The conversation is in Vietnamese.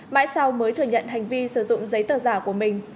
mãi sau mới thừa nhận hành vi sử dụng giấy tờ giả của mình